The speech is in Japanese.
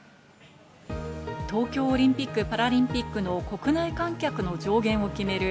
東京オリンピック・パラリンピックの国内観客の上限を決める